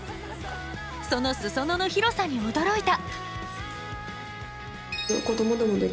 そのすそ野の広さに驚いた。